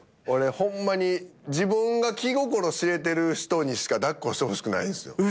俺ホンマに自分が気心知れてる人にしか抱っこしてほしくないんすよ。